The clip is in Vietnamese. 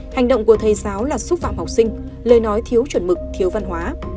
hành động của thầy giáo là xúc phạm học sinh lời nói thiếu chuẩn mực thiếu văn hóa